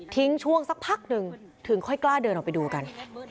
ช่วงสักพักหนึ่งถึงค่อยกล้าเดินออกไปดูกัน